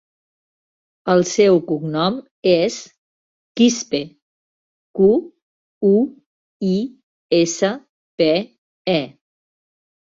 El seu cognom és Quispe: cu, u, i, essa, pe, e.